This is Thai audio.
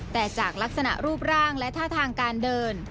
แต่จากลักษณะรูปร่างและท่าทางการเดิน